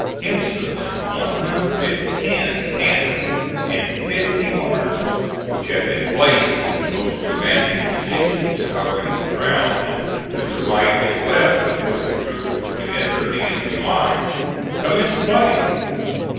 Instantly one hundred and ten cannon and fifty mortars, which had been placed in the most commanding positions covering the ground to the right and left of where the troops were to enter the enemy's lines, commenced playing.